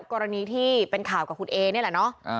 กรณีที่เป็นข่าวกับคุณเอนี่แหละเนาะ